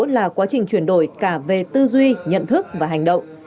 là quá trình chuyển đổi cả về tư duy nhận thức và hành động